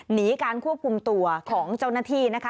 หนีการควบคุมตัวของเจ้าหน้าที่นะคะ